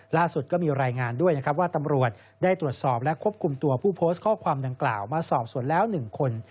ล่าสุดก็มีรายงานด้วยนะครับว่าตำรวจได้ตรวจสอบและควบคุมตัวผู้โพสต์ข้อความดังกล่าวมาสอบสวนแล้ว๑คน